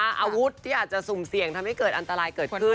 อาวุธที่อาจจะสุ่มเสี่ยงทำให้เกิดอันตรายเกิดขึ้น